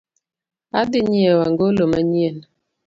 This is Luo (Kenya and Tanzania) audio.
Adhii nyieo ang'olo manyien.